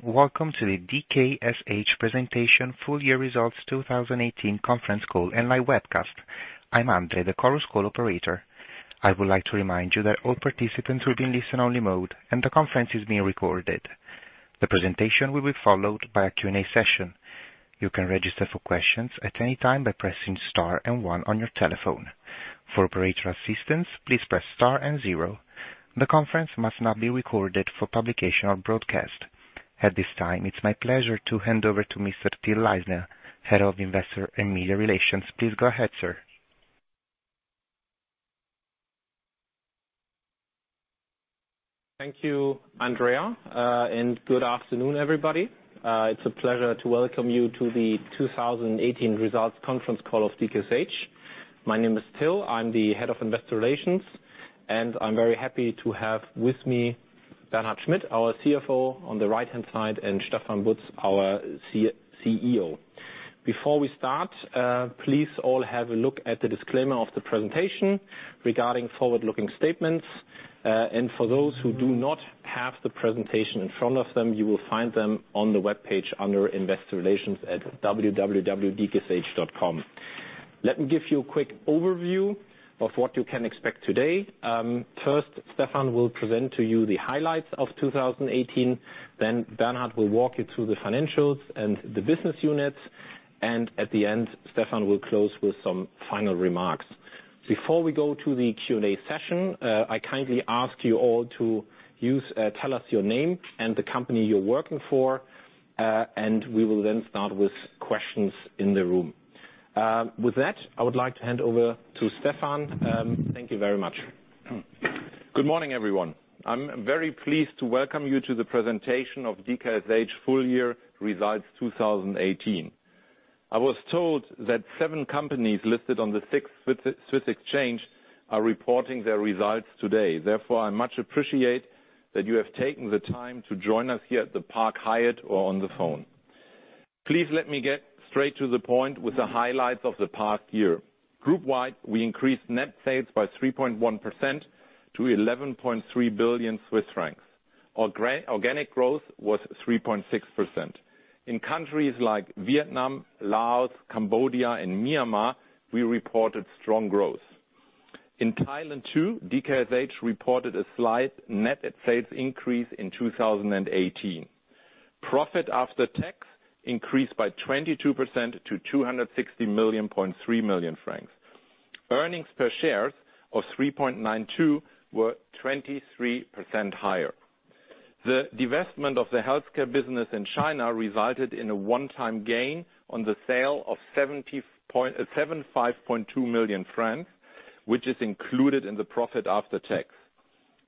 Welcome to the DKSH presentation full year results 2018 conference call and live webcast. I'm Andre, the Chorus Call operator. I would like to remind you that all participants will be in listen-only mode and the conference is being recorded. The presentation will be followed by a Q&A session. You can register for questions at any time by pressing star and one on your telephone. For operator assistance, please press star and zero. The conference must not be recorded for publication or broadcast. At this time, it's my pleasure to hand over to Mr. Till Leisner, Head of Investor and Media Relations. Please go ahead, sir. Thank you, Andre, good afternoon, everybody. It's a pleasure to welcome you to the 2018 results conference call of DKSH. My name is Till, I'm the Head of Investor Relations, I'm very happy to have with me Bernhard Schmitt, our CFO on the right-hand side, Stefan Butz, our CEO. Before we start, please all have a look at the disclaimer of the presentation regarding forward-looking statements. For those who do not have the presentation in front of them, you will find them on the webpage under Investor Relations at www.dksh.com. Let me give you a quick overview of what you can expect today. First, Stefan will present to you the highlights of 2018, Bernhard will walk you through the financials and the business units, at the end, Stefan will close with some final remarks. Before we go to the Q&A session, I kindly ask you all to tell us your name and the company you're working for, we will then start with questions in the room. With that, I would like to hand over to Stefan. Thank you very much. Good morning, everyone. I'm very pleased to welcome you to the presentation of DKSH full year results 2018. I was told that seven companies listed on the SIX Swiss Exchange are reporting their results today. Therefore, I much appreciate that you have taken the time to join us here at the Park Hyatt or on the phone. Please let me get straight to the point with the highlights of the past year. Groupwide, we increased net sales by 3.1% to 11.3 billion Swiss francs. Organic growth was 3.6%. In countries like Vietnam, Laos, Cambodia, and Myanmar, we reported strong growth. In Thailand too, DKSH reported a slight net sales increase in 2018. Profit after tax increased by 22% to 260.3 million francs. Earnings per shares of 3.92 were 23% higher. The divestment of the Healthcare business in China resulted in a one-time gain on the sale of 75.2 million francs, which is included in the profit after tax.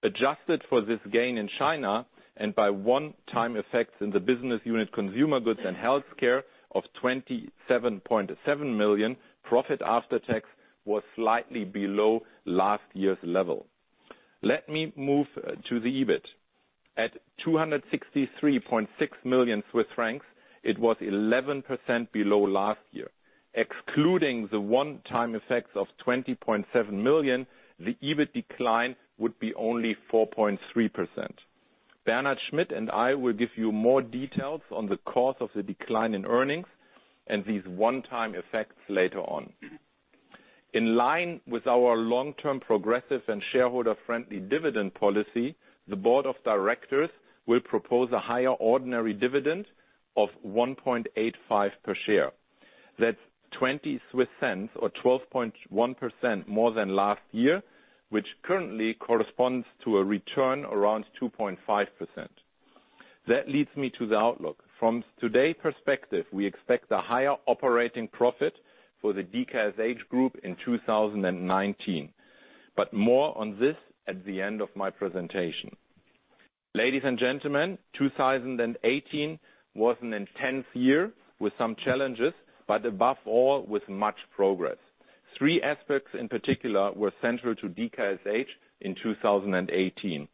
Adjusted for this gain in China and by one-time effects in the business unit Consumer Goods and Healthcare of 27.7 million, profit after tax was slightly below last year's level. Let me move to the EBIT. At 263.6 million Swiss francs, it was 11% below last year. Excluding the one-time effects of 20.7 million, the EBIT decline would be only 4.3%. Bernhard Schmitt and I will give you more details on the cause of the decline in earnings and these one-time effects later on. In line with our long-term progressive and shareholder-friendly dividend policy, the board of directors will propose a higher ordinary dividend of 1.85 per share. That's 0.20 or 12.1% more than last year, which currently corresponds to a return around 2.5%. Leads me to the outlook. From today's perspective, we expect a higher operating profit for the DKSH Group in 2019. More on this at the end of my presentation. Ladies and gentlemen, 2018 was an intense year with some challenges, but above all with much progress. Three aspects in particular were central to DKSH in 2018.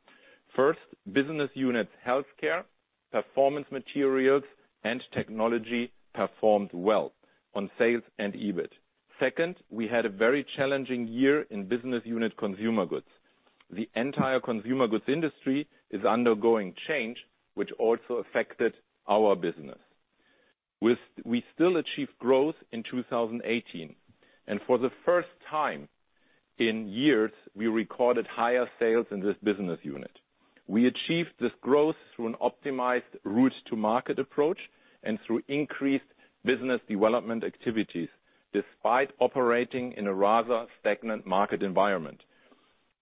First, business unit Healthcare, Performance Materials, and Technology performed well on sales and EBIT. Second, we had a very challenging year in business unit Consumer Goods. The entire consumer goods industry is undergoing change, which also affected our business. We still achieved growth in 2018, and for the first time in years, we recorded higher sales in this business unit. We achieved this growth through an optimized route-to-market approach and through increased business development activities, despite operating in a rather stagnant market environment.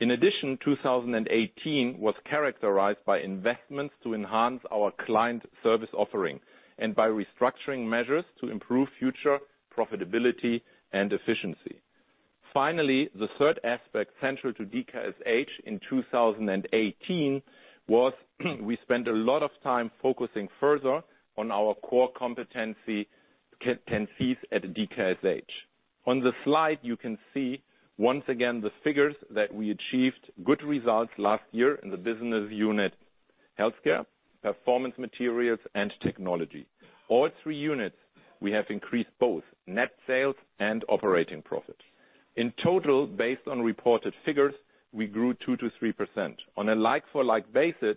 In addition, 2018 was characterized by investments to enhance our client service offering and by restructuring measures to improve future profitability and efficiency. Finally, the third aspect central to DKSH in 2018 was we spent a lot of time focusing further on our core competencies at DKSH. On the slide, you can see once again the figures that we achieved good results last year in the business unit Healthcare, Performance Materials, and Technology. All three units, we have increased both net sales and operating profits. In total, based on reported figures, we grew 2%-3%. On a like-for-like basis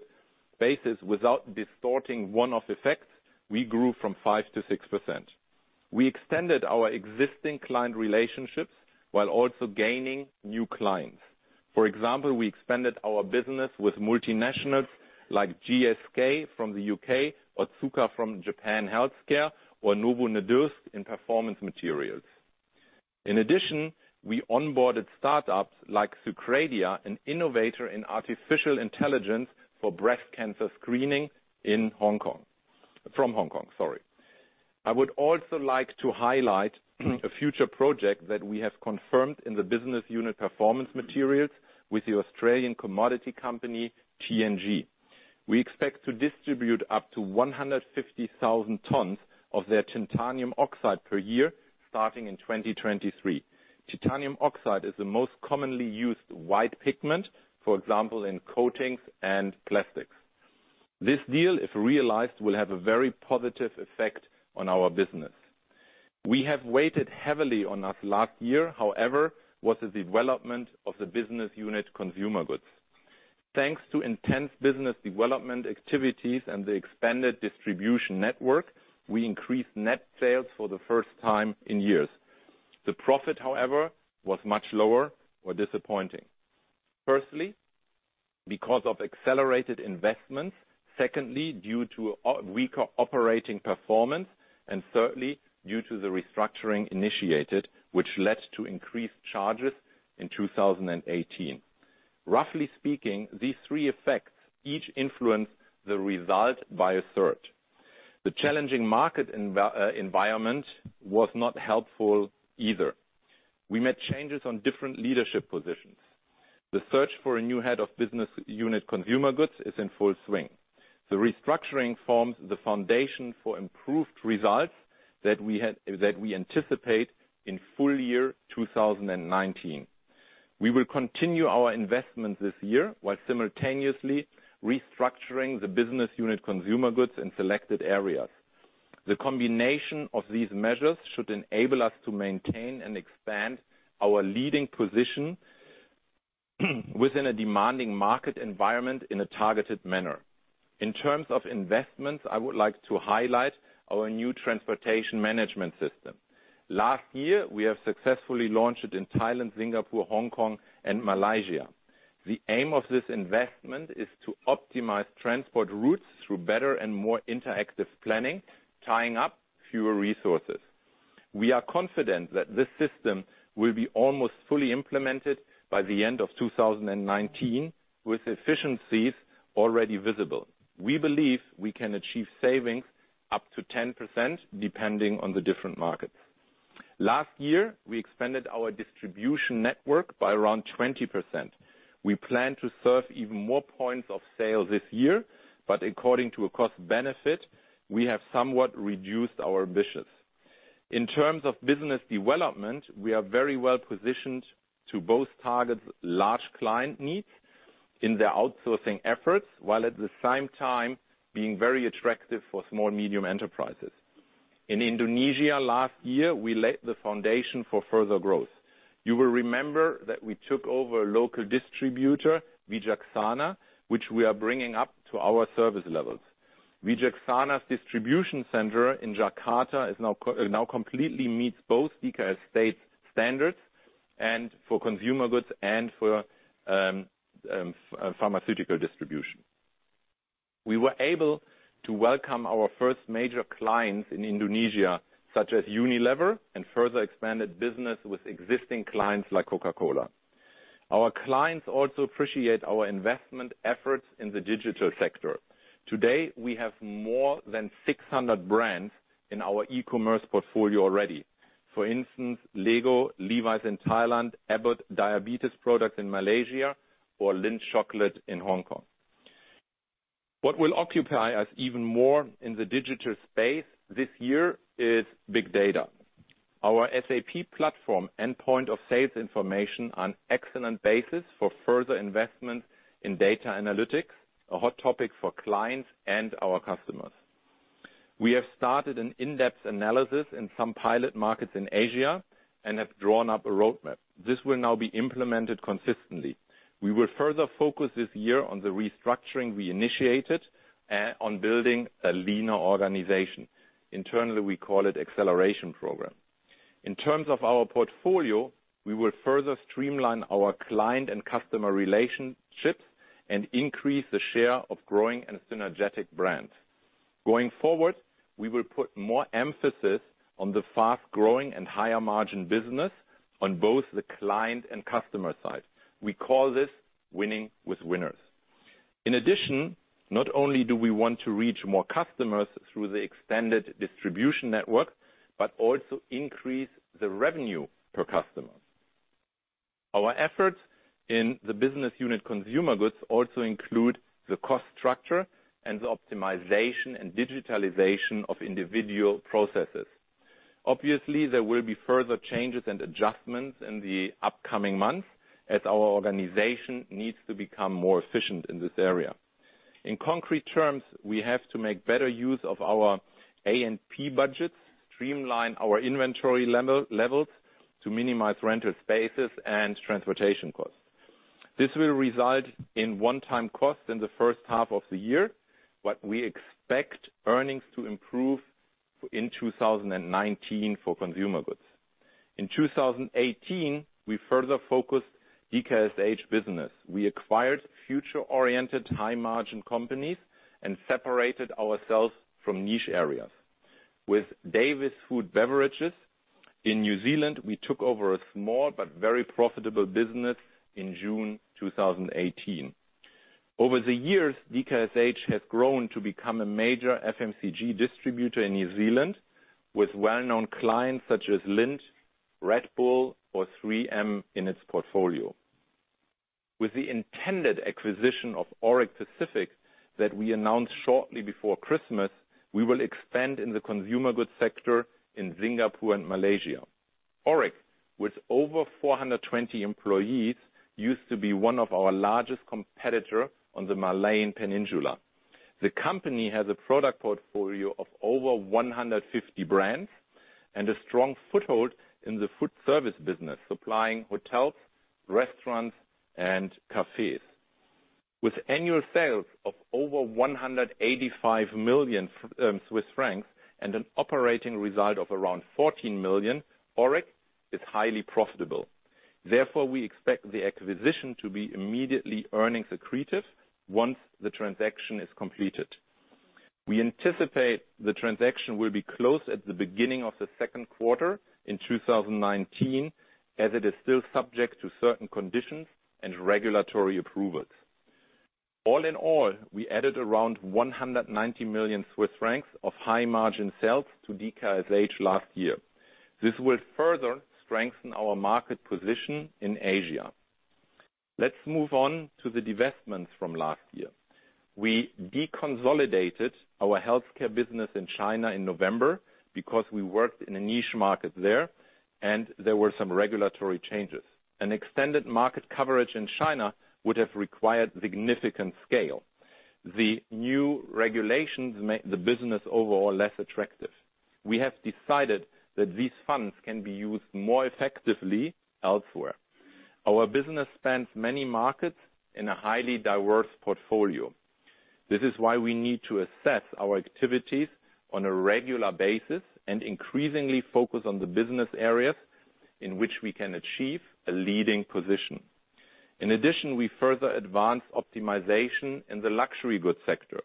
without distorting one-off effects, we grew from 5%-6%. We extended our existing client relationships while also gaining new clients. For example, we expanded our business with multinationals like GSK from the U.K., Otsuka from Japan, Healthcare, or Novo Nordisk in Performance Materials. In addition, we onboarded startups like Cyrcadia Asia, an innovator in artificial intelligence for breast cancer screening from Hong Kong. I would also like to highlight a future project that we have confirmed in the business unit Performance Materials with the Australian commodity company, TNG. We expect to distribute up to 150,000 tons of their titanium oxide per year, starting in 2023. Titanium oxide is the most commonly used white pigment, for example, in coatings and plastics. This deal, if realized, will have a very positive effect on our business. What has weighed heavily on us last year, however, was the development of the business unit Consumer Goods. Thanks to intense business development activities and the expanded distribution network, we increased net sales for the first time in years. The profit, however, was much lower or disappointing. Firstly, because of accelerated investments. Secondly, due to weaker operating performance. Thirdly, due to the restructuring initiated, which led to increased charges in 2018. Roughly speaking, these three effects each influenced the result by a third. The challenging market environment was not helpful either. We made changes on different leadership positions. The search for a new head of business unit Consumer Goods is in full swing. The restructuring forms the foundation for improved results that we anticipate in full year 2019. We will continue our investments this year while simultaneously restructuring the business unit Consumer Goods in selected areas. The combination of these measures should enable us to maintain and expand our leading position within a demanding market environment in a targeted manner. In terms of investments, I would like to highlight our new transportation management system. Last year, we have successfully launched it in Thailand, Singapore, Hong Kong, and Malaysia. The aim of this investment is to optimize transport routes through better and more interactive planning, tying up fewer resources. We are confident that this system will be almost fully implemented by the end of 2019, with efficiencies already visible. We believe we can achieve savings up to 10%, depending on the different markets. Last year, we expanded our distribution network by around 20%. We plan to serve even more points of sale this year, but according to a cost benefit, we have somewhat reduced our ambitions. In terms of business development, we are very well-positioned to both target large client needs in their outsourcing efforts, while at the same time being very attractive for small-medium enterprises. In Indonesia last year, we laid the foundation for further growth. You will remember that we took over a local distributor, Wicaksana, which we are bringing up to our service levels. Wicaksana's distribution center in Jakarta now completely meets both DKSH state standards and for Consumer Goods and for pharmaceutical distribution. We were able to welcome our first major clients in Indonesia, such as Unilever, and further expanded business with existing clients like Coca-Cola. Our clients also appreciate our investment efforts in the digital sector. Today, we have more than 600 brands in our e-commerce portfolio already. For instance, Lego, Levi's in Thailand, Abbott Diabetes products in Malaysia, or Lindt chocolate in Hong Kong. What will occupy us even more in the digital space this year is big data. Our SAP platform endpoint of sales information an excellent basis for further investment in data analytics, a hot topic for clients and our customers. We have started an in-depth analysis in some pilot markets in Asia and have drawn up a roadmap. This will now be implemented consistently. We will further focus this year on the restructuring we initiated on building a leaner organization. Internally, we call it Acceleration Program. In terms of our portfolio, we will further streamline our client and customer relationships and increase the share of growing and synergetic brands. Going forward, we will put more emphasis on the fast-growing and higher-margin business on both the client and customer side. We call this winning with winners. In addition, not only do we want to reach more customers through the extended distribution network, but also increase the revenue per customer. Our efforts in the business unit consumer goods also include the cost structure and the optimization and digitalization of individual processes. Obviously, there will be further changes and adjustments in the upcoming months as our organization needs to become more efficient in this area. In concrete terms, we have to make better use of our A&P budgets, streamline our inventory levels to minimize rental spaces and transportation costs. This will result in one-time costs in the first half of the year, but we expect earnings to improve in 2019 for consumer goods. In 2018, we further focused DKSH business. We acquired future-oriented high margin companies and separated ourselves from niche areas. With Davies Food & Beverages in New Zealand, we took over a small but very profitable business in June 2018. Over the years, DKSH has grown to become a major FMCG distributor in New Zealand, with well-known clients such as Lindt, Red Bull, or 3M in its portfolio. With the intended acquisition of Auric Pacific that we announced shortly before Christmas, we will expand in the consumer goods sector in Singapore and Malaysia. Auric, with over 420 employees, used to be one of our largest competitor on the Malaysian Peninsula. The company has a product portfolio of over 150 brands and a strong foothold in the food service business, supplying hotels, restaurants, and cafes. With annual sales of over 185 million Swiss francs and an operating result of around 14 million, Auric is highly profitable. Therefore, we expect the acquisition to be immediately earning accretive once the transaction is completed. We anticipate the transaction will be closed at the beginning of the second quarter in 2019, as it is still subject to certain conditions and regulatory approvals. All in all, we added around 190 million Swiss francs of high margin sales to DKSH last year. This will further strengthen our market position in Asia. Let's move on to the divestments from last year. We deconsolidated our Healthcare business in China in November because we worked in a niche market there, and there were some regulatory changes. An extended market coverage in China would have required significant scale. The new regulations make the business overall less attractive. We have decided that these funds can be used more effectively elsewhere. Our business spans many markets in a highly diverse portfolio. This is why we need to assess our activities on a regular basis and increasingly focus on the business areas in which we can achieve a leading position. In addition, we further advance optimization in the luxury goods sector.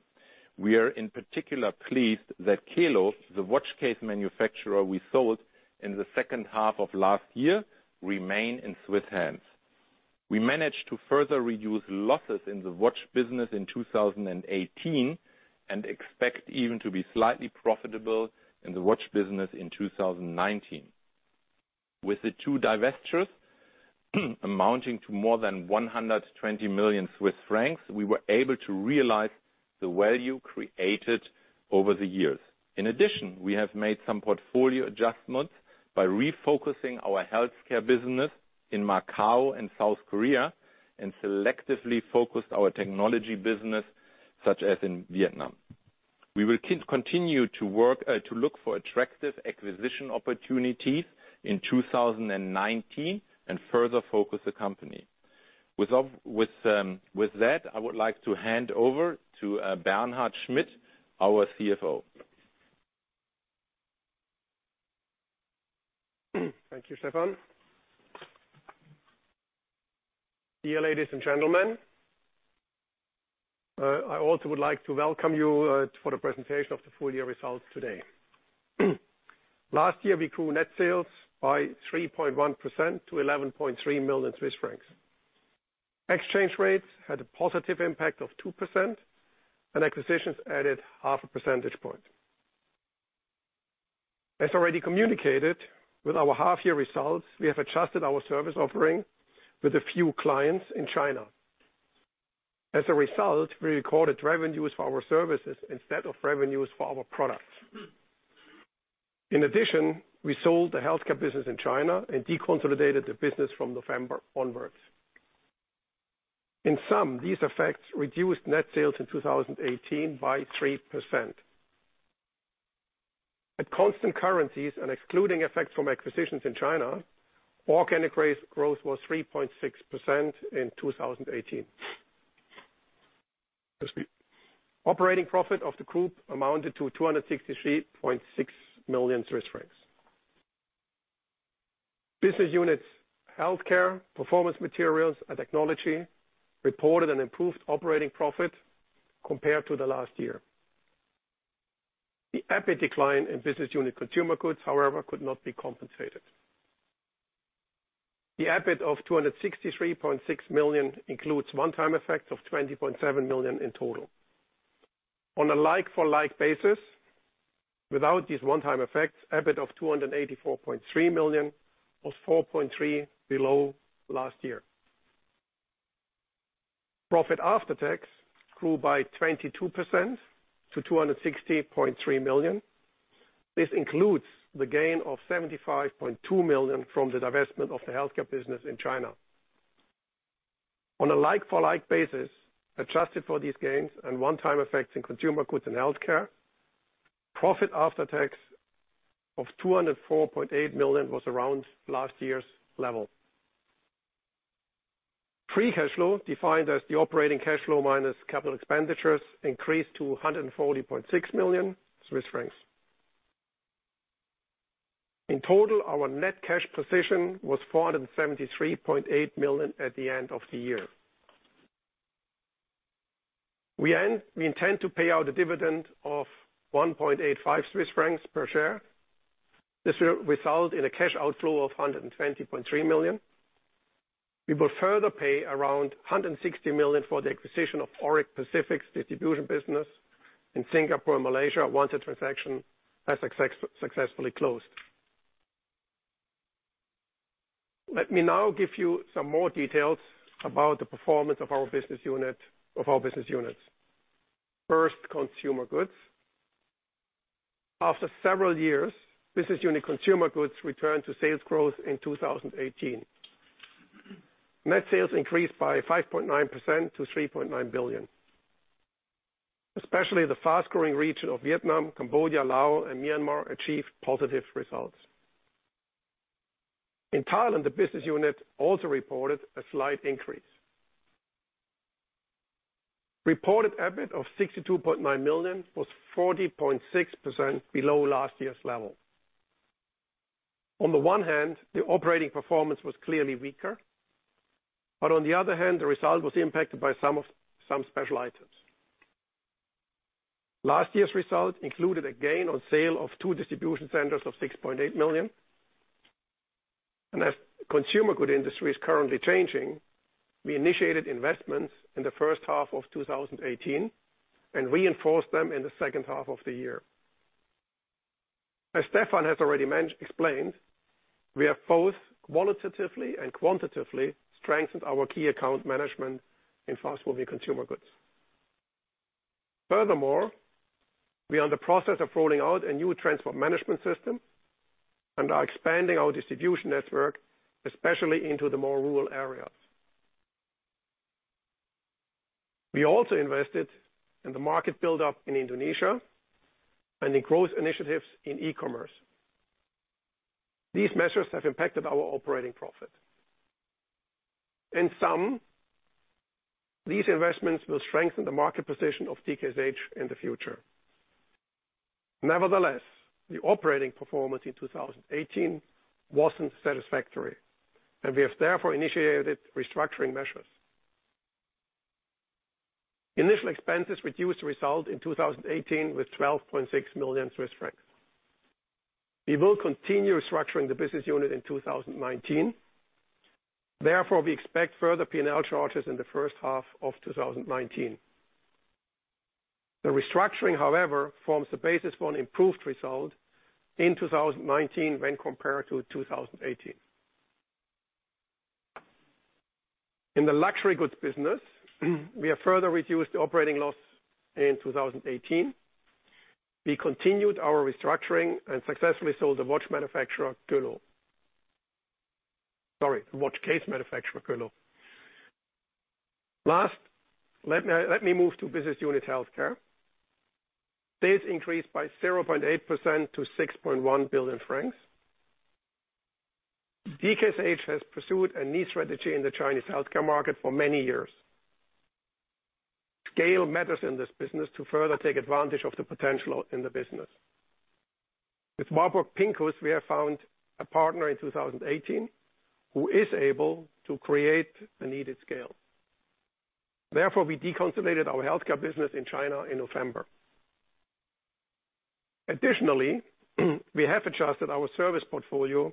We are in particular pleased that Queloz, the watch case manufacturer we sold in the second half of last year, remain in Swiss hands. We managed to further reduce losses in the watch business in 2018, and expect even to be slightly profitable in the watch business in 2019. With the two divestitures amounting to more than 120 million Swiss francs, we were able to realize the value created over the years. In addition, we have made some portfolio adjustments by refocusing our Healthcare business in Macau and South Korea, and selectively focused our technology business, such as in Vietnam. We will continue to look for attractive acquisition opportunities in 2019 and further focus the company. With that, I would like to hand over to Bernhard Schmitt, our CFO. Thank you, Stefan. Dear ladies and gentlemen, I also would like to welcome you for the presentation of the full year results today. Last year, we grew net sales by 3.1% to 11.3 million Swiss francs. Exchange rates had a positive impact of 2%, and acquisitions added half a percentage point. As already communicated with our half year results, we have adjusted our service offering with a few clients in China. As a result, we recorded revenues for our services instead of revenues for our products. In addition, we sold the Healthcare business in China and deconsolidated the business from November onwards. In sum, these effects reduced net sales in 2018 by 3%. At constant currencies and excluding effects from acquisitions in China, organic growth was 3.6% in 2018. Excuse me. Operating profit of the group amounted to 263.6 million Swiss francs. Business units Healthcare, Performance Materials, and Technology reported an improved operating profit compared to the last year. The EBIT decline in business unit Consumer Goods, however, could not be compensated. The EBIT of 263.6 million includes one-time effects of 20.7 million in total. On a like-for-like basis, without these one-time effects, EBIT of 284.3 million was 4.3% below last year. Profit after tax grew by 22% to 260.3 million. This includes the gain of 75.2 million from the divestment of the Healthcare business in China. On a like-for-like basis, adjusted for these gains and one-time effects in Consumer Goods and Healthcare, profit after tax of 204.8 million was around last year's level. Free cash flow, defined as the operating cash flow minus capital expenditures, increased to 140.6 million Swiss francs. In total, our net cash position was 473.8 million at the end of the year. We intend to pay out a dividend of 1.85 Swiss francs per share. This will result in a cash outflow of 120.3 million. We will further pay around 160 million for the acquisition of Auric Pacific's distribution business in Singapore and Malaysia once the transaction has successfully closed. Let me now give you some more details about the performance of our business units. First, Consumer Goods. After several years, business unit Consumer Goods returned to sales growth in 2018. Net sales increased by 5.9% to 3.9 billion. Especially the fast-growing region of Vietnam, Cambodia, Laos, and Myanmar achieved positive results. In Thailand, the business unit also reported a slight increase. Reported EBIT of 62.9 million was 40.6% below last year's level. On the one hand, the operating performance was clearly weaker, but on the other hand, the result was impacted by some special items. Last year's result included a gain on sales of two distribution centers of 6.8 million. As consumer goods industry is currently changing, we initiated investments in the first half of 2018 and reinforced them in the second half of the year. As Stefan has already explained, we have both qualitatively and quantitatively strengthened our key account management in fast-moving consumer goods. Furthermore, we are in the process of rolling out a new transport management system and are expanding our distribution network, especially into the more rural areas. We also invested in the market build-up in Indonesia and in growth initiatives in e-commerce. These measures have impacted our operating profit. In sum, these investments will strengthen the market position of DKSH in the future. Nevertheless, the operating performance in 2018 wasn't satisfactory, and we have therefore initiated restructuring measures. Initial expenses reduced the result in 2018 with 12.6 million Swiss francs. We will continue restructuring the business unit in 2019. Therefore, we expect further P&L charges in the first half of 2019. The restructuring, however, forms the basis for an improved result in 2019 when compared to 2018. In the luxury goods business, we have further reduced operating loss in 2018. We continued our restructuring and successfully sold the watch manufacturer, Queloz. Sorry, the watch case manufacturer, Queloz. Last, let me move to business unit Healthcare. Sales increased by 0.8% to 6.1 billion francs. DKSH has pursued a niche strategy in the Chinese healthcare market for many years. Scale matters in this business to further take advantage of the potential in the business. With Mabrouk & Pinkus, we have found a partner in 2018 who is able to create the needed scale. Therefore, we deconsolidated our Healthcare business in China in November. Additionally, we have adjusted our service portfolio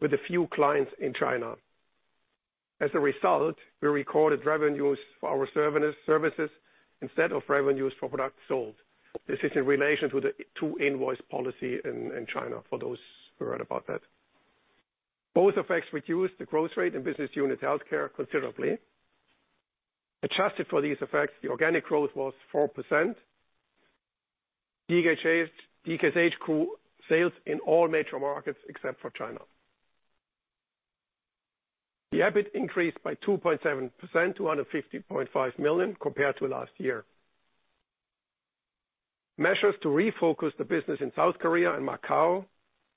with a few clients in China. As a result, we recorded revenues for our services instead of revenues for products sold. This is in relation to the two-invoice system in China, for those who read about that. Both effects reduced the growth rate in business unit Healthcare considerably. Adjusted for these effects, the organic growth was 4%. DKSH grew sales in all major markets except for China. The EBIT increased by 2.7%, to 150.5 million compared to last year. Measures to refocus the business in South Korea and Macau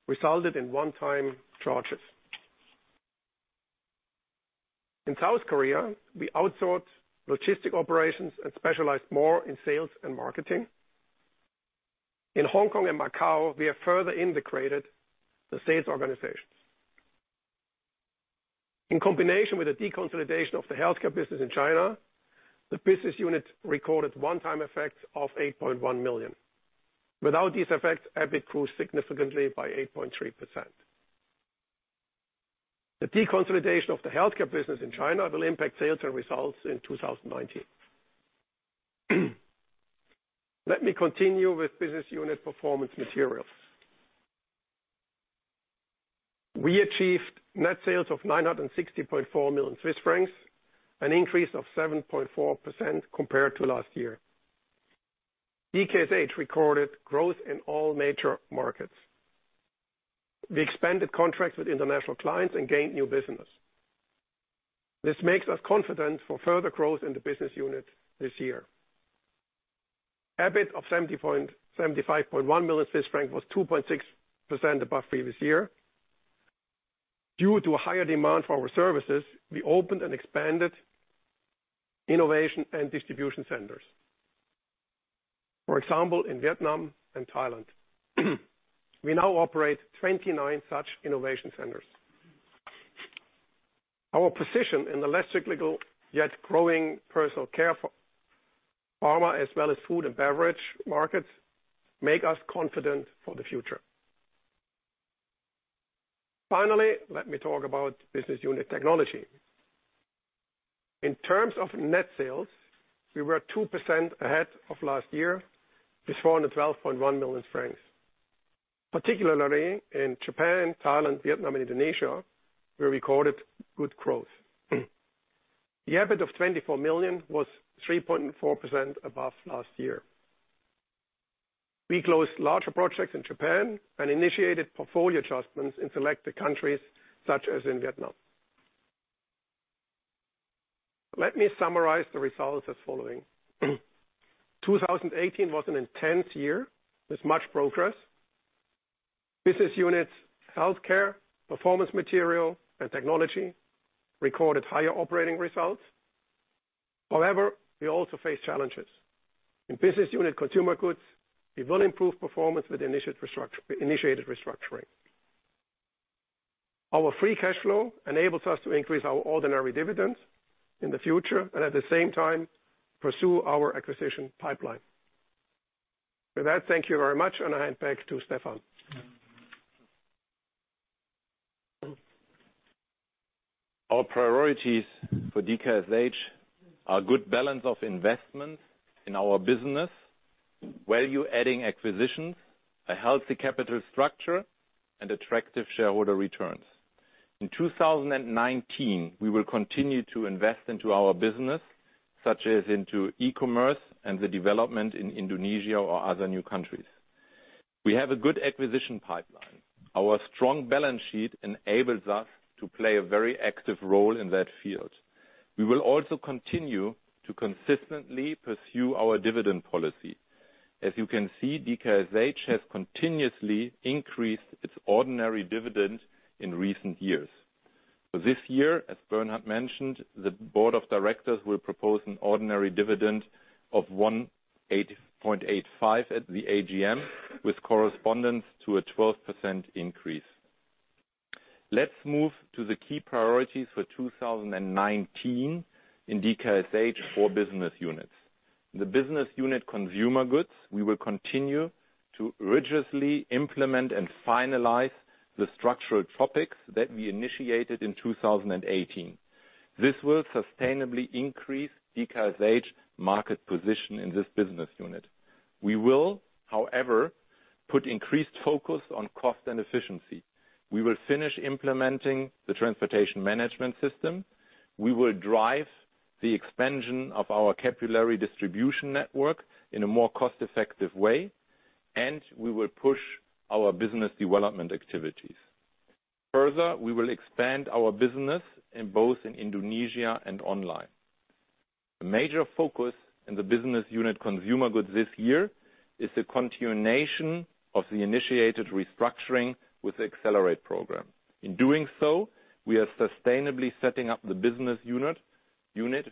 resulted in one-time charges. In South Korea, we outsourced logistic operations and specialized more in sales and marketing. In Hong Kong and Macau, we have further integrated the sales organizations. In combination with the deconsolidation of the Healthcare business in China, the business unit recorded one-time effects of 8.1 million. Without these effects, EBIT grew significantly by 8.3%. The deconsolidation of the Healthcare business in China will impact sales and results in 2019. Let me continue with business unit Performance Materials. We achieved net sales of 960.4 million Swiss francs, an increase of 7.4% compared to last year. DKSH recorded growth in all major markets. We expanded contracts with international clients and gained new business. This makes us confident for further growth in the business unit this year. EBIT of 75.1 million Swiss francs was 2.6% above previous year. Due to a higher demand for our services, we opened and expanded innovation and distribution centers. For example, in Vietnam and Thailand. We now operate 29 such innovation centers. Our position in the less cyclical, yet growing personal care for pharma, as well as food and beverage markets, make us confident for the future. Finally, let me talk about business unit Technology. In terms of net sales, we were 2% ahead of last year with 412.1 million francs. Particularly in Japan, Thailand, Vietnam, and Indonesia, we recorded good growth. The EBIT of 24 million was 3.4% above last year. We closed larger projects in Japan and initiated portfolio adjustments in selected countries, such as in Vietnam. Let me summarize the results as following. 2018 was an intense year with much progress. Business units Healthcare, Performance Material, and Technology recorded higher operating results. We also face challenges. In business unit Consumer Goods, we will improve performance with initiated restructuring. Our free cash flow enables us to increase our ordinary dividends in the future, and at the same time, pursue our acquisition pipeline. With that, thank you very much, and I hand back to Stefan. Our priorities for DKSH are good balance of investment in our business, value-adding acquisitions, a healthy capital structure, and attractive shareholder returns. In 2019, we will continue to invest into our business, such as into e-commerce and the development in Indonesia or other new countries. We have a good acquisition pipeline. Our strong balance sheet enables us to play a very active role in that field. We will also continue to consistently pursue our dividend policy. As you can see, DKSH has continuously increased its ordinary dividend in recent years. For this year, as Bernhard mentioned, the board of directors will propose an ordinary dividend of 1.85 at the AGM, with correspondence to a 12% increase. Let's move to the key priorities for 2019 in DKSH four business units. In the business unit Consumer Goods, we will continue to rigorously implement and finalize the structural topics that we initiated in 2018. This will sustainably increase DKSH market position in this business unit. We will, however, put increased focus on cost and efficiency. We will finish implementing the transportation management system. We will drive the expansion of our capillary distribution network in a more cost-effective way, and we will push our business development activities. Further, we will expand our business in both Indonesia and online. A major focus in the business unit Consumer Goods this year is the continuation of the initiated restructuring with the Accelerate program. In doing so, we are sustainably setting up the business unit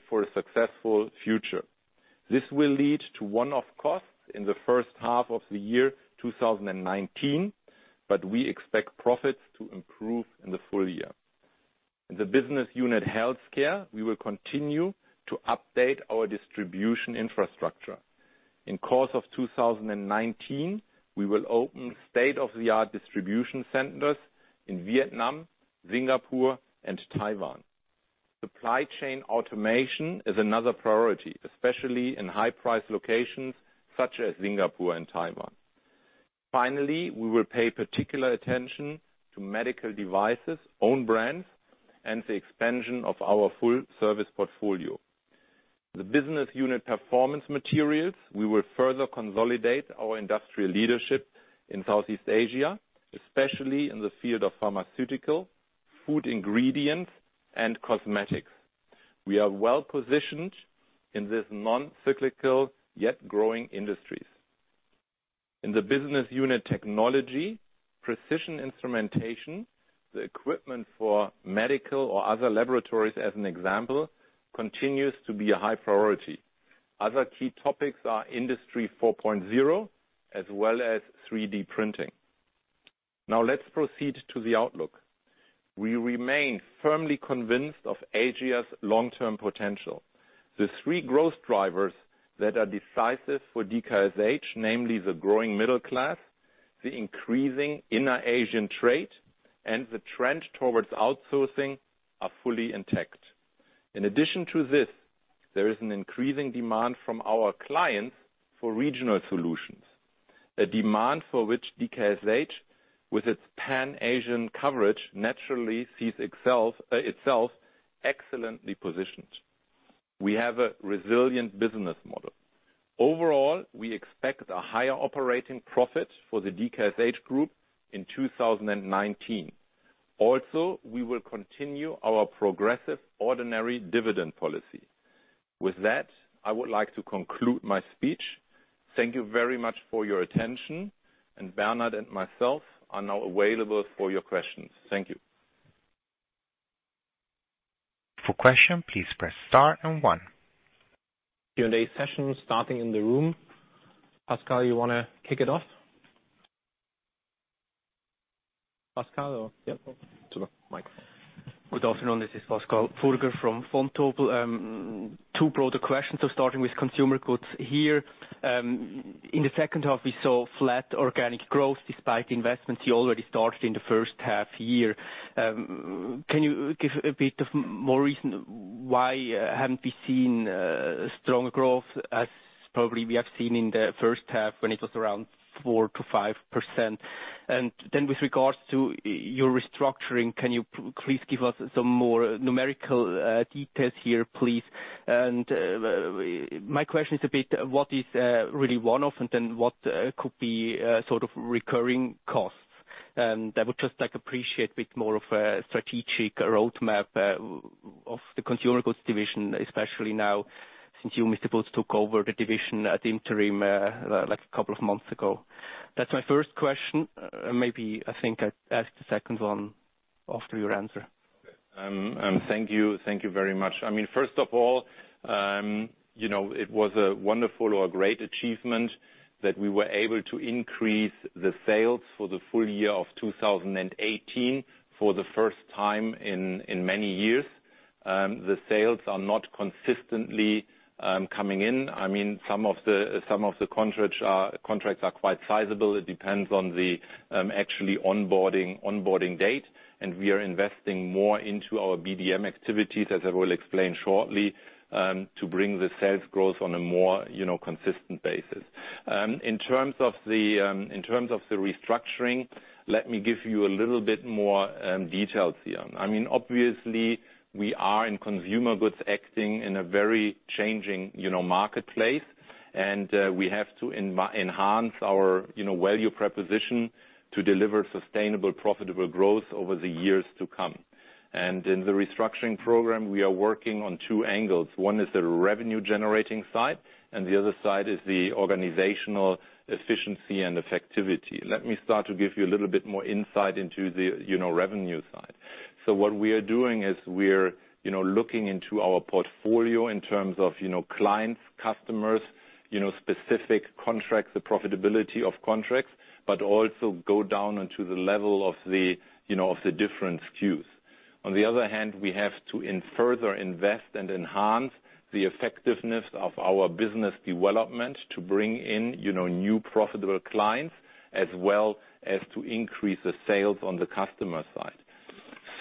for a successful future. This will lead to one-off costs in the first half of the year 2019, but we expect profits to improve in the full year. In the business unit Healthcare, we will continue to update our distribution infrastructure. In course of 2019, we will open state-of-the-art distribution centers in Vietnam, Singapore, and Taiwan. Supply chain automation is another priority, especially in high-price locations such as Singapore and Taiwan. Finally, we will pay particular attention to medical devices, own brands, and the expansion of our full-service portfolio. The business unit Performance Materials, we will further consolidate our industrial leadership in Southeast Asia, especially in the field of pharmaceutical, food ingredients, and cosmetics. We are well positioned in this non-cyclical, yet growing industries. In the business unit Technology, precision instrumentation, the equipment for medical or other laboratories as an example, continues to be a high priority. Other key topics are Industry 4.0 as well as 3D printing. Let's proceed to the outlook. We remain firmly convinced of Asia's long-term potential. The three growth drivers that are decisive for DKSH, namely the growing middle class, the increasing inner Asian trade, and the trend towards outsourcing, are fully intact. In addition to this, there is an increasing demand from our clients for regional solutions. A demand for which DKSH, with its Pan-Asian coverage, naturally sees itself excellently positioned. We have a resilient business model. Overall, we expect a higher operating profit for the DKSH Group in 2019. We will continue our progressive ordinary dividend policy. With that, I would like to conclude my speech. Thank you very much for your attention, Bernhard and myself are now available for your questions. Thank you. For question, please press star and one. Q&A session starting in the room. Pascal, you want to kick it off? Pascal? Yeah. To the mic. Good afternoon. This is Pascal Furger from Vontobel. Two broader questions. Starting with consumer goods here. In the second half, we saw flat organic growth despite investments you already started in the first half year. Can you give a bit of more reason why haven't we seen stronger growth as probably we have seen in the first half when it was around 4%-5%? With regards to your restructuring, can you please give us some more numerical details here, please? My question is a bit, what is really one-off and what could be sort of recurring costs? I would just appreciate a bit more of a strategic roadmap of the consumer goods division, especially now since you, Mr. Butz, took over the division at interim a couple of months ago. That's my first question. Maybe, I think I'll ask the second one after your answer. Thank you very much. First of all, it was a wonderful or a great achievement that we were able to increase the sales for the full year of 2018 for the first time in many years. The sales are not consistently coming in. Some of the contracts are quite sizable. It depends on the actually onboarding date, and we are investing more into our BDM activities, as I will explain shortly, to bring the sales growth on a more consistent basis. In terms of the restructuring, let me give you a little bit more details here. Obviously, we are in consumer goods acting in a very changing marketplace, and we have to enhance our value proposition to deliver sustainable, profitable growth over the years to come. In the restructuring program, we are working on two angles. One is the revenue-generating side, and the other side is the organizational efficiency and effectivity. Let me start to give you a little bit more insight into the revenue side. What we are doing is we're looking into our portfolio in terms of clients, customers, specific contracts, the profitability of contracts, but also go down onto the level of the different SKUs. On the other hand, we have to further invest and enhance the effectiveness of our business development to bring in new profitable clients as well as to increase the sales on the customer side.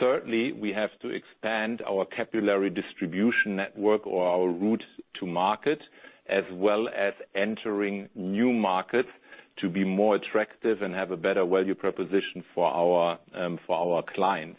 Thirdly, we have to expand our capillary distribution network or our route to market, as well as entering new markets to be more attractive and have a better value proposition for our clients.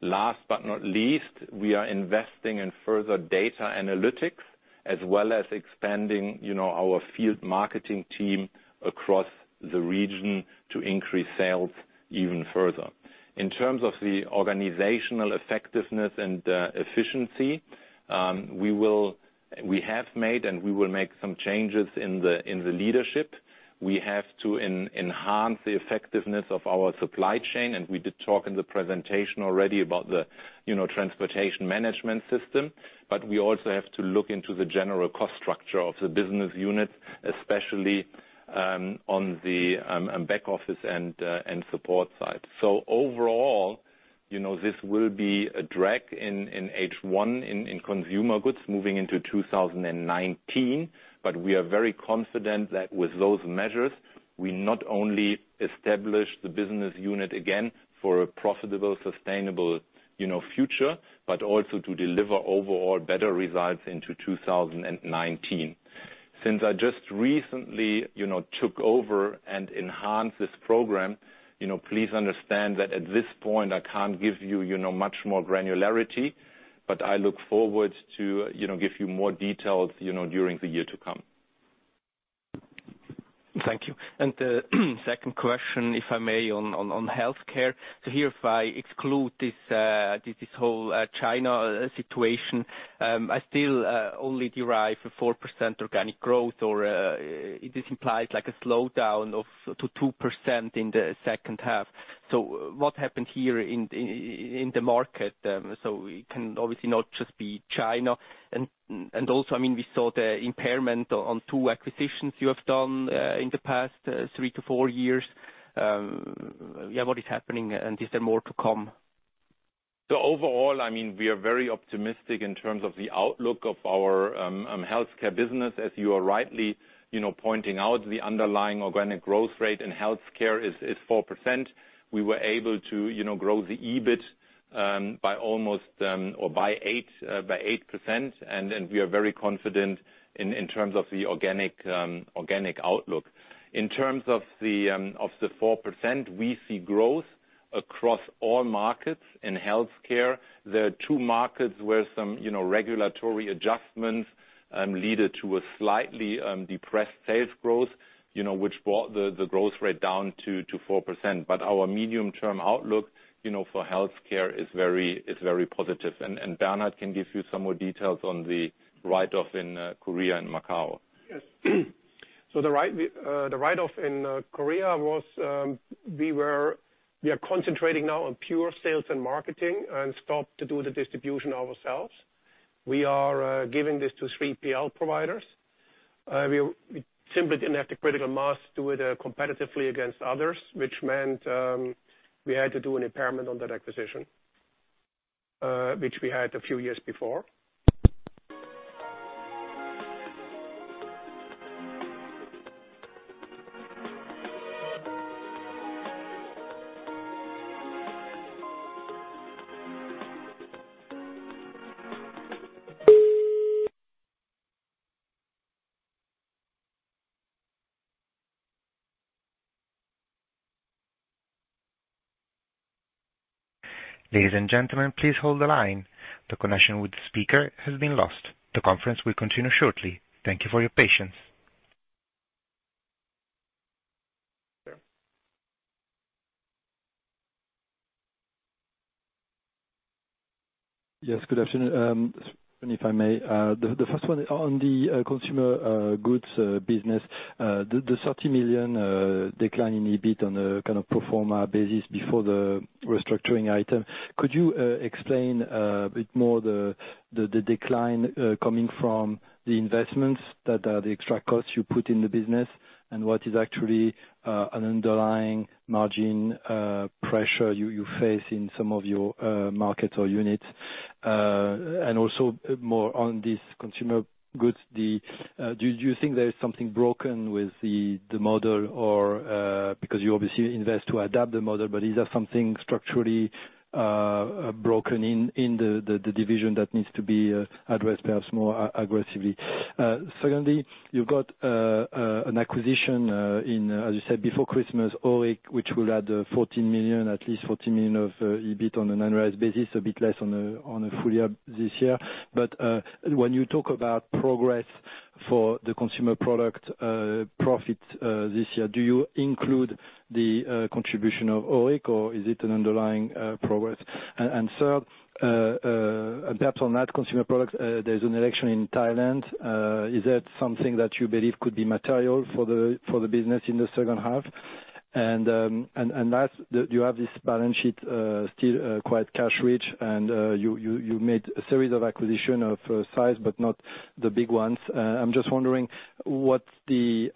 Last but not least, we are investing in further data analytics as well as expanding our field marketing team across the region to increase sales even further. In terms of the organizational effectiveness and efficiency, we have made and we will make some changes in the leadership. We have to enhance the effectiveness of our supply chain, and we did talk in the presentation already about the transportation management system. We also have to look into the general cost structure of the business units, especially on the back office and support side. Overall, this will be a drag in H1 in Consumer Goods moving into 2019. We are very confident that with those measures, we not only establish the business unit again for a profitable, sustainable future, but also to deliver overall better results into 2019. Since I just recently took over and enhanced this program, please understand that at this point I can't give you much more granularity, but I look forward to give you more details during the year to come. Thank you. The second question, if I may, on Healthcare. Here, if I exclude this whole China situation, I still only derive a 4% organic growth or this implies like a slowdown to 2% in the second half. What happened here in the market? It can obviously not just be China. Also, we saw the impairment on two acquisitions you have done in the past three to four years. What is happening, and is there more to come? Overall, we are very optimistic in terms of the outlook of our Healthcare business. As you are rightly pointing out, the underlying organic growth rate in Healthcare is 4%. We were able to grow the EBIT almost or by 8%, and we are very confident in terms of the organic outlook. In terms of the 4%, we see growth across all markets in Healthcare. There are two markets where some regulatory adjustments led to a slightly depressed sales growth, which brought the growth rate down to 4%. Our medium-term outlook for Healthcare is very positive. Bernhard can give you some more details on the write-off in Korea and Macau. Yes. The write-off in Korea, we are concentrating now on pure sales and marketing and stopped to do the distribution ourselves. We are giving this to 3PL providers. We simply didn't have the critical mass to do it competitively against others, which meant we had to do an impairment on that acquisition, which we had a few years before. Ladies and gentlemen, please hold the line. The connection with the speaker has been lost. The conference will continue shortly. Thank you for your patience. Yes, good afternoon. If I may, the first one on the Consumer Goods business. The 30 million decline in EBIT on a pro forma basis before the restructuring item. Could you explain a bit more the decline coming from the investments that are the extra costs you put in the business, and what is actually an underlying margin pressure you face in some of your markets or units? Also more on these consumer goods, do you think there is something broken with the model or because you obviously invest to adapt the model, but is there something structurally broken in the division that needs to be addressed perhaps more aggressively? Secondly, you got an acquisition in, as you said, before Christmas, Auric, which will add 14 million, at least 14 million of EBIT on an annualized basis, a bit less on a full year this year. When you talk about progress for the consumer product profit this year, do you include the contribution of Auric, or is it an underlying progress? Third, perhaps on that consumer product, there is an election in Thailand. Is that something that you believe could be material for the business in the second half? Last, you have this balance sheet still quite cash rich, and you made a series of acquisition of size, but not the big ones. I'm just wondering what's the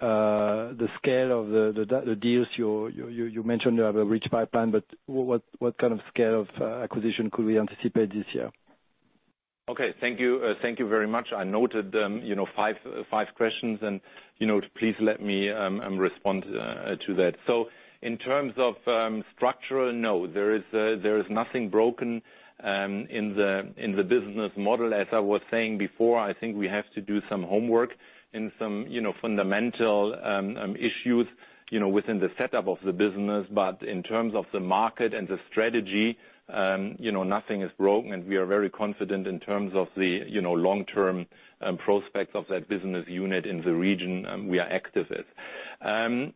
scale of the deals. You mentioned you have a rich pipeline, but what kind of scale of acquisition could we anticipate this year? Okay. Thank you very much. I noted five questions. Please let me respond to that. In terms of structural, no. There is nothing broken in the business model. As I was saying before, I think we have to do some homework in some fundamental issues within the setup of the business. In terms of the market and the strategy, nothing is broken, and we are very confident in terms of the long-term prospects of that business unit in the region we are active with.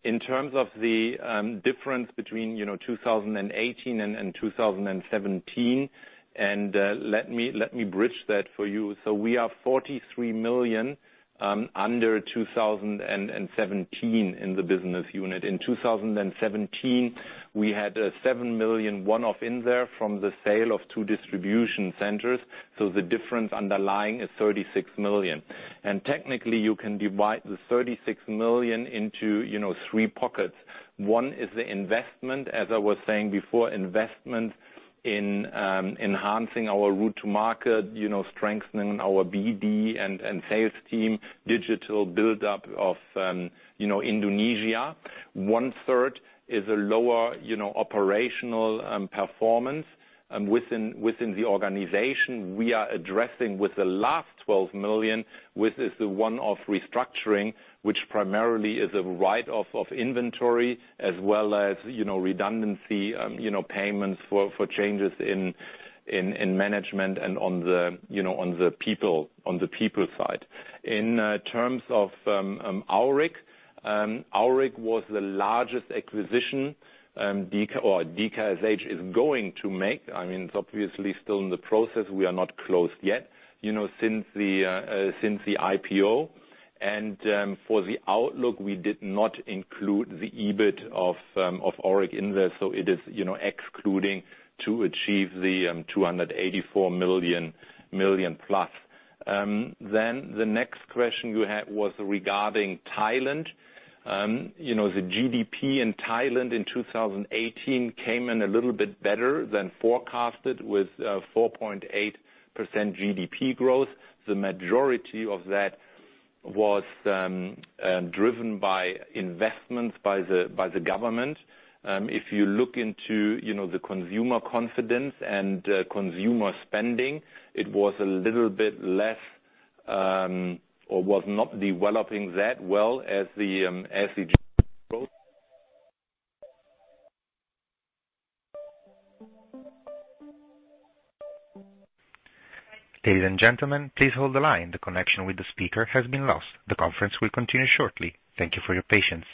In terms of the difference between 2018 and 2017, let me bridge that for you. We are 43 million under 2017 in the business unit. In 2017, we had a 7 million one-off in there from the sale of two distribution centers. The difference underlying is 36 million. Technically, you can divide the 36 million into three pockets. One is the investment, as I was saying before, investment in enhancing our route to market, strengthening our BD and sales team, digital build-up of Indonesia. 1/3 is a lower operational performance within the organization. We are addressing with the last 12 million, which is the one-off restructuring, which primarily is a write-off of inventory as well as redundancy payments for changes in management and on the people side. In terms of Auric, Auric was the largest acquisition DKSH is going to make. It's obviously still in the process. We are not closed yet since the IPO. For the outlook, we did not include the EBIT of Auric in there, so it is excluding to achieve the 284 million+. The next question you had was regarding Thailand. The GDP in Thailand in 2018 came in a little bit better than forecasted with 4.8% GDP growth. The majority of that was driven by investments by the government. If you look into the consumer confidence and consumer spending, it was a little bit less or was not developing that well as the growth. Ladies and gentlemen, please hold the line. The connection with the speaker has been lost. The conference will continue shortly. Thank you for your patience.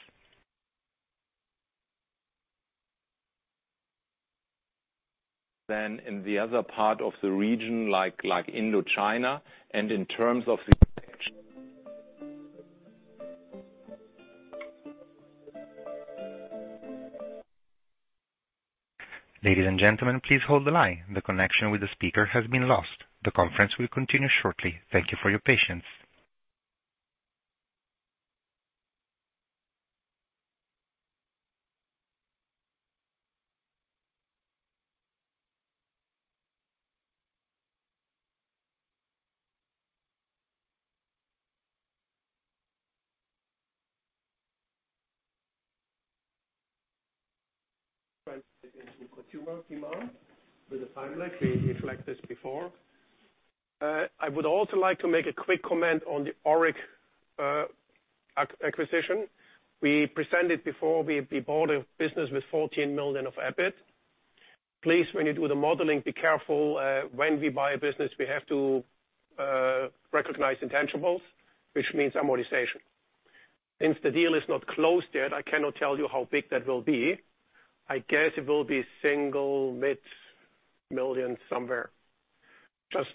Than in the other part of the region, like Indochina and in terms of the. Ladies and gentlemen, please hold the line. The connection with the speaker has been lost. The conference will continue shortly. Thank you for your patience. Consumer demand with a time lag. We reflect this before. I would also like to make a quick comment on the Auric acquisition. We presented before we bought a business with 14 million of EBIT. Please, when you do the modeling, be careful. When we buy a business, we have to recognize intangibles, which means amortization. Since the deal is not closed yet, I cannot tell you how big that will be. I guess it will be single mid-million Swiss franc somewhere, just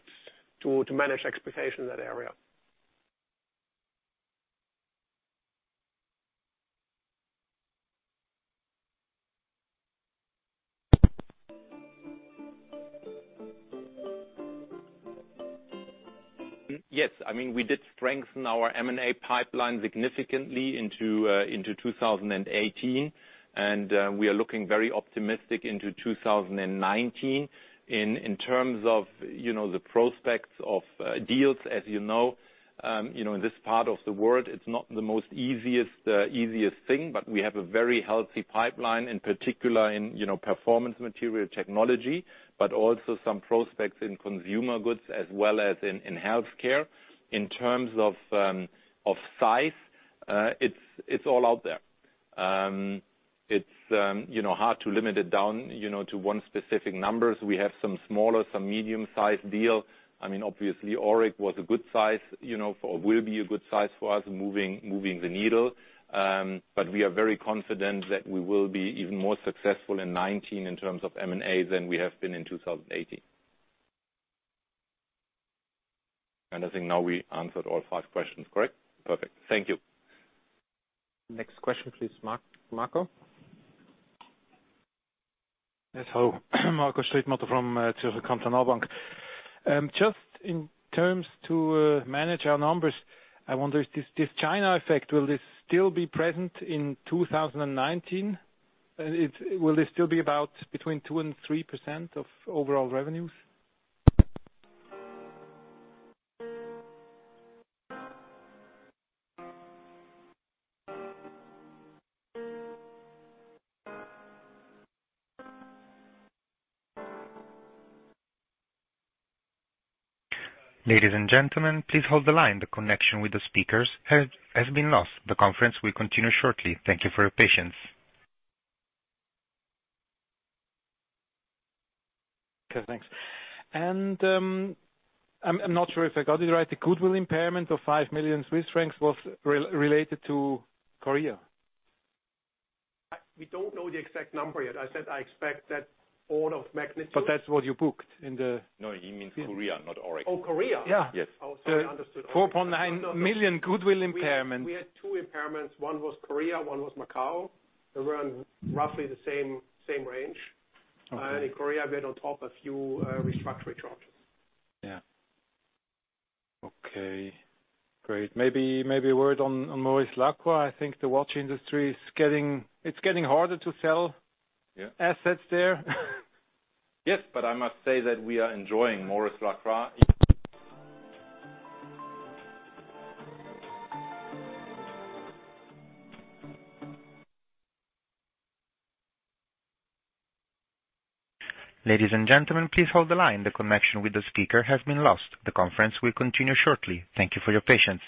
to manage expectation in that area. Yes. We did strengthen our M&A pipeline significantly into 2018, and we are looking very optimistic into 2019. In terms of the prospects of deals, as you know, in this part of the world, it's not the most easiest thing, but we have a very healthy pipeline in particular in Performance Materials and Technology, but also some prospects in Consumer Goods as well as in Healthcare. In terms of size, it's all out there. It's hard to limit it down to one specific numbers. We have some smaller, some medium-sized deal. Obviously, Auric was a good size, or will be a good size for us moving the needle. But we are very confident that we will be even more successful in 2019 in terms of M&A than we have been in 2018. I think now we answered all five questions, correct? Perfect. Thank you. Next question, please, Mark. Yes, hello. Mark Streit from Zürcher Kantonalbank. Just in terms to manage our numbers, I wonder, this China effect, will this still be present in 2019? Will it still be about between 2% and 3% of overall revenues? Ladies and gentlemen, please hold the line. The connection with the speakers has been lost. The conference will continue shortly. Thank you for your patience. Okay, thanks. I'm not sure if I got it right. The goodwill impairment of 5 million Swiss francs was related to Korea? We don't know the exact number yet. I said I expect that order of magnitude. That's what you booked in the. No, he means Korea, not Auric. Korea. Yes. Oh, sorry. 4.9 million goodwill impairment. We had two impairments. One was Korea, one was Macau. They were in roughly the same range. Okay. In Korea, we had on top a few restructuring charges. Yeah. Okay, great. Maybe a word on Maurice Lacroix. I think the watch industry, it's getting harder to sell? Yeah. Assets there. Yes, I must say that we are enjoying Maurice Lacroix. Ladies and gentlemen, please hold the line. The connection with the speaker has been lost. The conference will continue shortly. Thank you for your patience.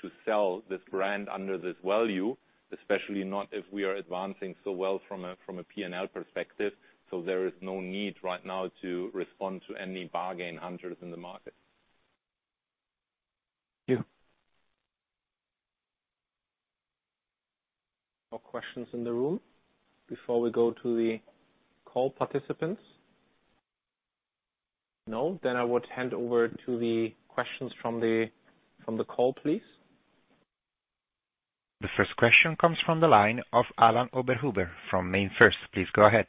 We see a decent inherent value in this brand. As I was saying in the past, we are not willing to sell this brand under this value, especially not if we are advancing so well from a P&L perspective. There is no need right now to respond to any bargain hunters in the market. Thank you. More questions in the room before we go to the call participants? No. I would hand over to the questions from the call, please. The first question comes from the line of Alain Oberhuber from MainFirst. Please go ahead.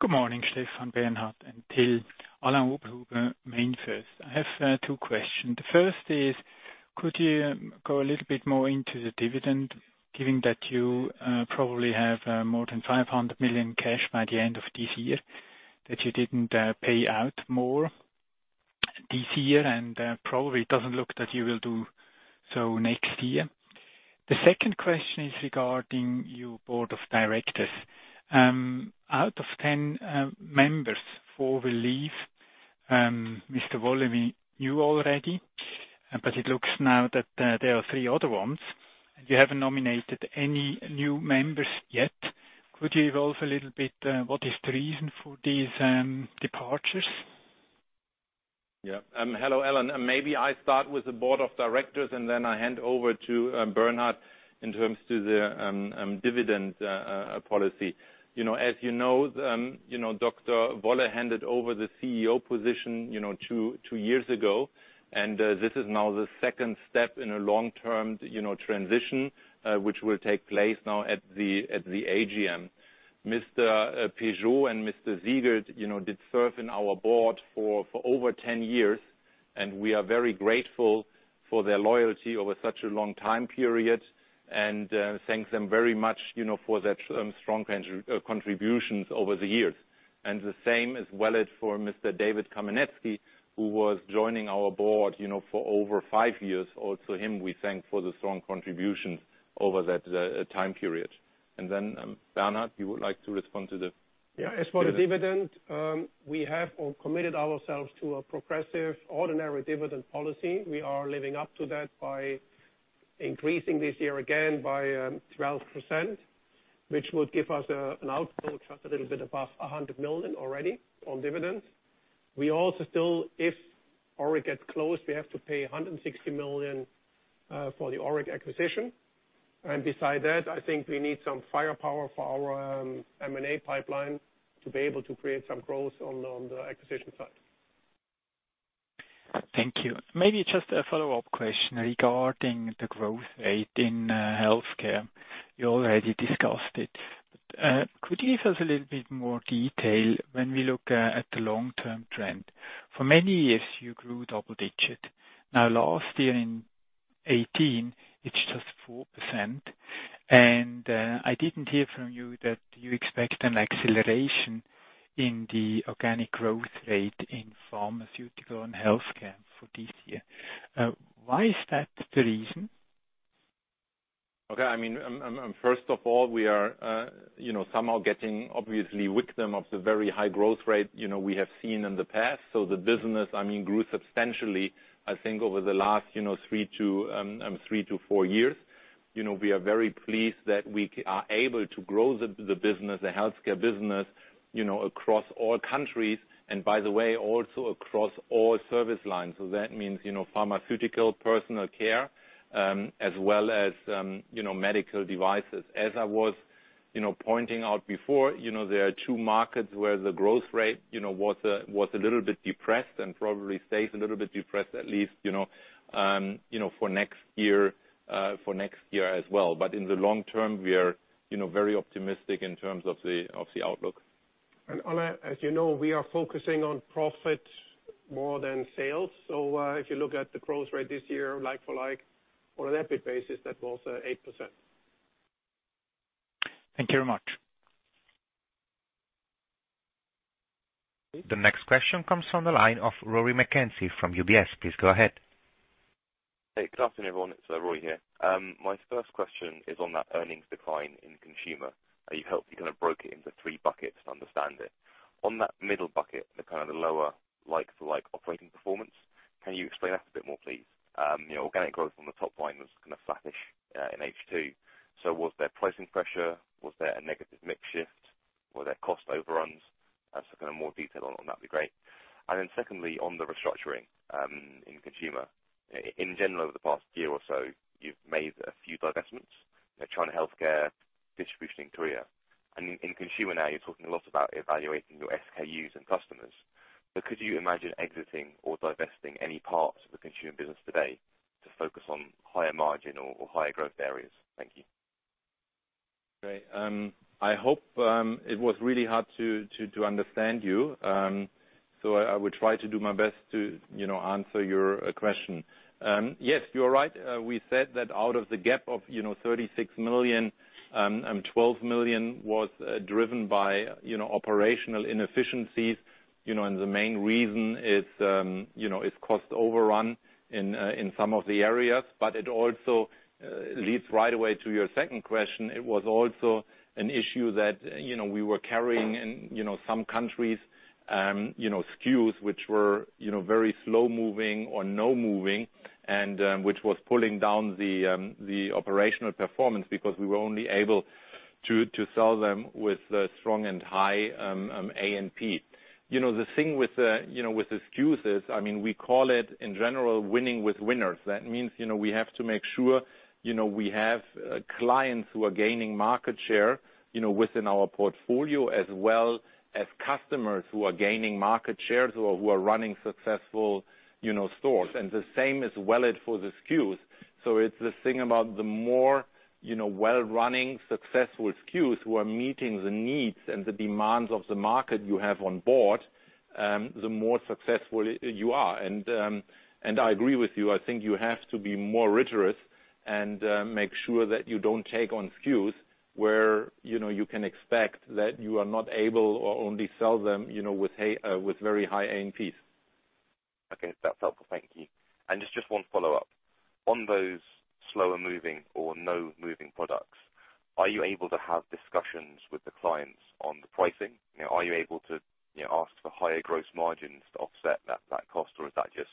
Good morning, Stefan, Bernhard, and Till. Alain Oberhuber, MainFirst. I have two questions. The first is, could you go a little bit more into the dividend, given that you probably have more than 500 million cash by the end of this year, that you didn't pay out more this year, and probably it doesn't look that you will do so next year. The second question is regarding your board of directors. Out of 10 members, four will leave. Mr. Wolle, we knew already, but it looks now that there are three other ones, and you haven't nominated any new members yet. Could you elaborate a little bit? What is the reason for these departures? Hello, Alain. Maybe I start with the board of directors, and then I hand over to Bernhard in terms to the dividend policy. As you know, Dr. Wolle handed over the CEO position two years ago, and this is now the second step in a long-term transition, which will take place now at the AGM. Mr. Peugeot and Mr. Siegert did serve in our board for over 10 years, and we are very grateful for their loyalty over such a long time period and thank them very much for their strong contributions over the years. The same as well as for Mr. David Kamenetsky, who was joining our board for over five years. Also him, we thank for the strong contributions over that time period. Bernhard, you would like to respond to the. As for the dividend, we have committed ourselves to a progressive ordinary dividend policy. We are living up to that by increasing this year again by 12%, which would give us an outlook just a little bit above 100 million already on dividends. We also still, if Auric gets closed, we have to pay 160 million for the Auric acquisition. Beside that, I think we need some firepower for our M&A pipeline to be able to create some growth on the acquisition side. Thank you. Maybe just a follow-up question regarding the growth rate in Healthcare. You already discussed it. Could you give us a little bit more detail when we look at the long-term trend? For many years, you grew double-digit. Now, last year in 2018, it's just 4%. I didn't hear from you that you expect an acceleration in the organic growth rate in pharmaceutical and Healthcare for this year. Why is that the reason? Okay. First of all, we are somehow getting obviously victim of the very high growth rate we have seen in the past. The business grew substantially, I think over the last three to four years. We are very pleased that we are able to grow the business, the Healthcare business, across all countries, and by the way, also across all service lines. That means, pharmaceutical, personal care, as well as medical devices. As I was pointing out before, there are two markets where the growth rate was a little bit depressed and probably stays a little bit depressed, at least for next year as well. In the long term, we are very optimistic in terms of the outlook. Alain, as you know, we are focusing on profit more than sales. If you look at the growth rate this year, like for like, on an EBIT basis, that was 8%. Thank you very much. The next question comes from the line of Rory McKenzie from UBS. Please go ahead. Good afternoon, everyone. It is Rory here. My first question is on that earnings decline in consumer. You helped break it into three buckets to understand it. On that middle bucket, the kind of lower like for like operating performance, can you explain that a bit more, please? Organic growth on the top line was kind of flattish, in H2. Was there pricing pressure? Was there a negative mix shift? Were there cost overruns? Kind of more detail on that would be great. Secondly, on the restructuring in consumer. In general, over the past year or so, you have made a few divestments. China healthcare, distribution in Korea. In consumer now, you are talking a lot about evaluating your SKUs and customers. Could you imagine exiting or divesting any parts of the consumer business today to focus on higher margin or higher growth areas? Thank you. Great. It was really hard to understand you, so I will try to do my best to answer your question. Yes, you are right. We said that out of the gap of 36 million, 12 million was driven by operational inefficiencies. The main reason is cost overrun in some of the areas, but it also leads right away to your second question. It was also an issue that we were carrying in some countries SKUs which were very slow-moving or no moving, and which was pulling down the operational performance because we were only able to sell them with a strong and high A&P. The thing with the SKUs is, we call it, in general, winning with winners. That means we have to make sure we have clients who are gaining market share within our portfolio, as well as customers who are gaining market shares or who are running successful stores. The same is valid for the SKUs. It is this thing about the more well-running, successful SKUs who are meeting the needs and the demands of the market you have on board, the more successful you are. I agree with you. I think you have to be more rigorous and make sure that you do not take on SKUs where you can expect that you are not able, or only sell them with very high A&P. Okay. That is helpful. Thank you. Just one follow-up. On those slower-moving or no-moving products, are you able to have discussions with the clients on the pricing? Are you able to ask for higher gross margins to offset that cost, or is that just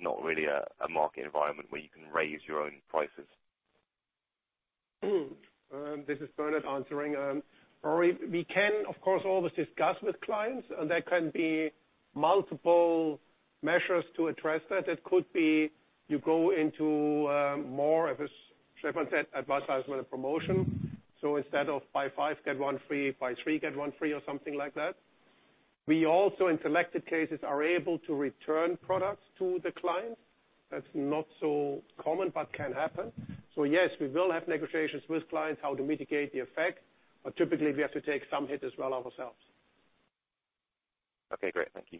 not really a market environment where you can raise your own prices? This is Bernhard answering. Rory, we can, of course, always discuss with clients, and there can be multiple measures to address that. It could be you go into more of a, Stefan said, advertisement and promotion. Instead of buy five, get one free, buy three, get one free, or something like that. We also, in selected cases, are able to return products to the client. That's not so common, but can happen. Yes, we will have negotiations with clients how to mitigate the effect. Typically, we have to take some hit as well ourselves. Okay, great. Thank you.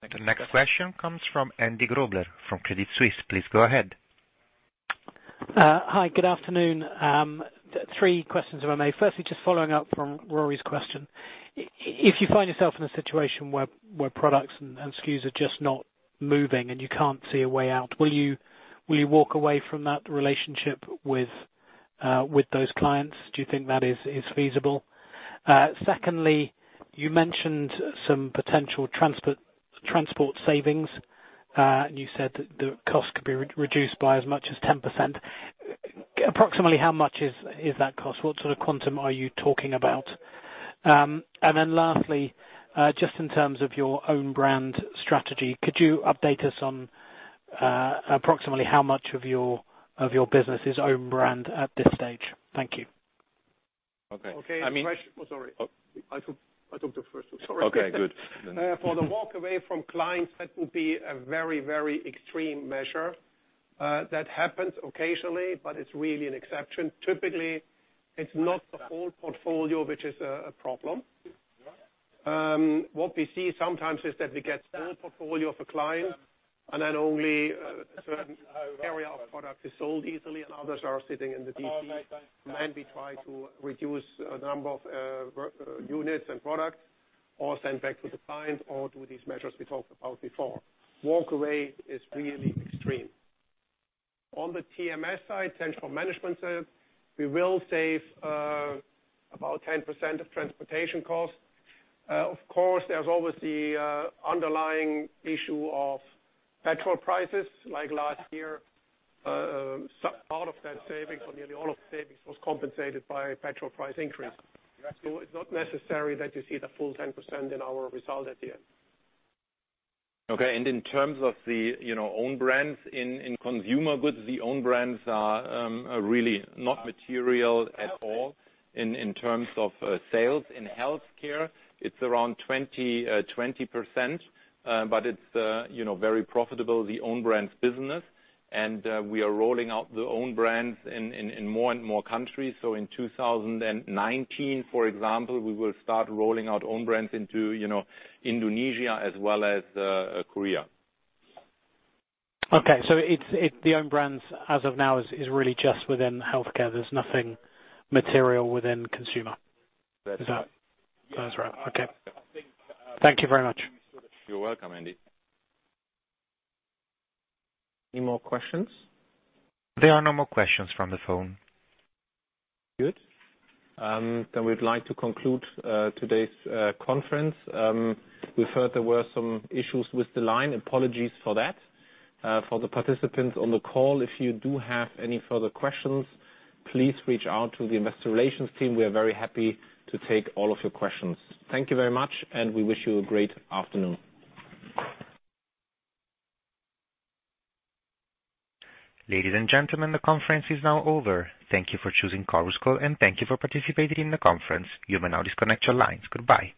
Thanks. The next question comes from Andy Grobler from Credit Suisse. Please go ahead. Hi, good afternoon. Three questions if I may. Firstly, just following up from Rory's question. If you find yourself in a situation where products and SKUs are just not moving and you can't see a way out, will you walk away from that relationship with those clients? Do you think that is feasible? Secondly, you mentioned some potential transport savings, and you said that the cost could be reduced by as much as 10%. Approximately how much is that cost? What sort of quantum are you talking about? Then lastly, just in terms of your own brand strategy, could you update us on approximately how much of your business is own brand at this stage? Thank you. Okay. Okay. Sorry. I thought you were first. Sorry. Okay, good. For the walk away from clients, that will be a very extreme measure. That happens occasionally, but it's really an exception. Typically, it's not the whole portfolio which is a problem. What we see sometimes is that we get the whole portfolio of a client, and then only a certain area of product is sold easily and others are sitting in the DC. We try to reduce a number of units and products or send back to the clients or do these measures we talked about before. Walk away is really extreme. On the TMS side, central management side, we will save about 10% of transportation costs. Of course, there's always the underlying issue of petrol prices, like last year. Part of that saving or nearly all of the savings was compensated by petrol price increase. It's not necessary that you see the full 10% in our result at the end. In terms of the own brands in consumer goods, the own brands are really not material at all in terms of sales. In Healthcare, it's around 20%, but it's very profitable, the own brands business. We are rolling out the own brands in more and more countries. In 2019, for example, we will start rolling out own brands into Indonesia as well as Korea. The own brands as of now is really just within Healthcare. There's nothing material within Consumer. That's right. That is right. Okay. Thank you very much. You're welcome, Andy. Any more questions? There are no more questions from the phone. Good. We'd like to conclude today's conference. We've heard there were some issues with the line. Apologies for that. For the participants on the call, if you do have any further questions, please reach out to the investor relations team. We are very happy to take all of your questions. Thank you very much, and we wish you a great afternoon. Ladies and gentlemen, the conference is now over. Thank you for choosing Chorus Call, and thank you for participating in the conference. You may now disconnect your lines. Goodbye.